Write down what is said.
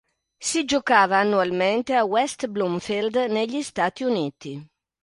Si giocava annualmente a West Bloomfield negli Stati Uniti.